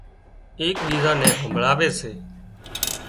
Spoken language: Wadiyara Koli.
ايڪ ٻيزان نين همڀۯاوي سي